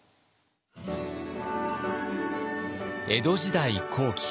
江戸時代後期。